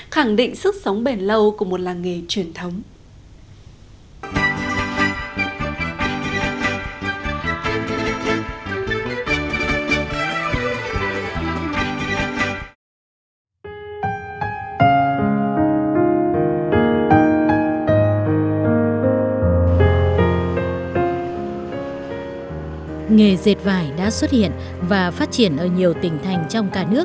khẳng định sức sống bền lâu của một làng nghề truyền thống